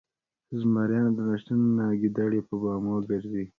ـ زمريانو د نشتون نه ګيدړې په بامو ګرځي